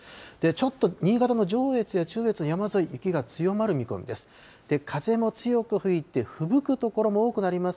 ちょっと新潟の上越や中越の山沿い、雪が強まる見込みです。